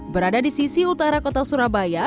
berada di sisi utara kota surabaya